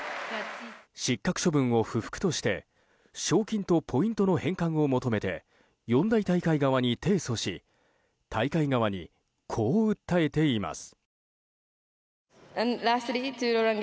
失格処分を不服として賞金とポイントの返還を求めて四大大会側に提訴し大会側にこう訴えています。